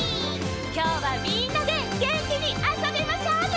きょうはみんなでげんきにあそびましょうね！